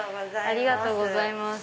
ありがとうございます。